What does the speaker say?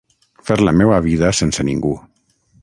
Fer la meua vida sense ningú.